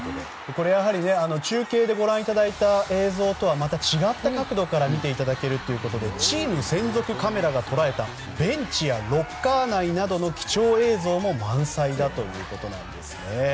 これは、中継でご覧いただいた映像とはまた違った角度から見ていただけるということでチーム専属カメラが捉えたベンチやロッカー内での貴重映像も満載だということです。